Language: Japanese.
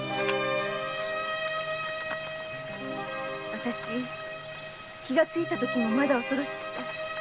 わたし気がついたときもまだ恐ろしくて。